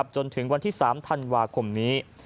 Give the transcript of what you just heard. จนถึงวันที่๓ธันวาคมนี้